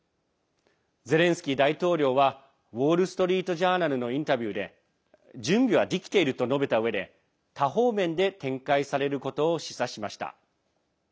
ゼレンスキー大統領はウォール・ストリート・ジャーナルのインタビューで準備はできていると述べたうえで多方面で展開されることを示唆しました。